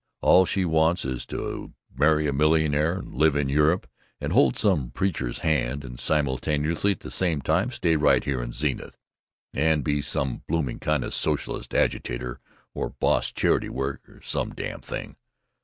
all she wants is to marry a millionaire, and live in Europe, and hold some preacher's hand, and simultaneously at the same time stay right here in Zenith and be some blooming kind of a socialist agitator or boss charity worker or some damn thing!